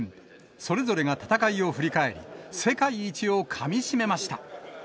それぞれが戦いを振り返り、世界一をかみしめました。